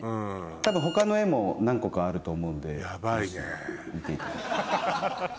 多分他の絵も何個かあると思うんで。